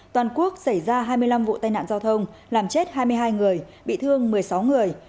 toàn quốc xảy ra hai mươi năm vụ tai nạn giao thông làm chết hai mươi hai người bị thương một mươi sáu người